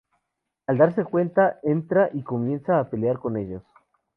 Al darse cuenta, entra y comienza a pelear con ellos.